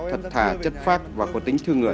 thật thà chất phác và có tính thương người